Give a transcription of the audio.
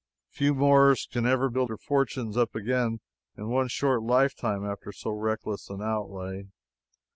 Few Moors can ever build up their fortunes again in one short lifetime after so reckless an outlay.